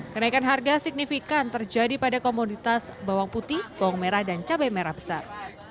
kenaikan harga signifikan terjadi pada komoditas bawang putih bawang merah dan cabai merah besar